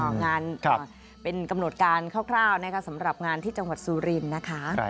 งานเป็นกำหนดการคร่าวนะคะสำหรับงานที่จังหวัดสุรินทร์นะคะ